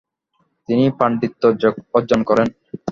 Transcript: তিনি পাণ্ডিত্য অর্জন করেন।